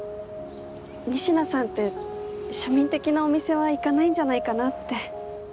仁科さんって庶民的なお店は行かないんじゃないかなって。